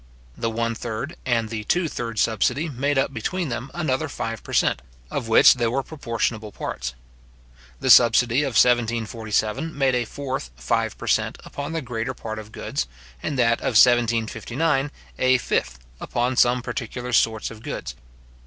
The one third and the two third subsidy made up between them another five per cent. of which they were proportionable parts. The subsidy of 1747 made a fourth five per cent. upon the greater part of goods; and that of 1759, a fifth upon some particular sorts of goods.